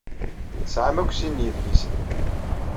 Tesɛam akk sin n yidlisen.